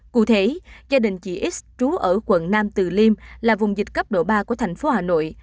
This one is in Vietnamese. cụ thể gia đình chị x trú ở quận nam từ liêm là vùng dịch cấp độ ba của thành phố hà nội